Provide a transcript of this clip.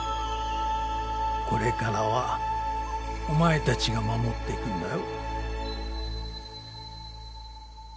これからはお前たちが守っていくんだよ。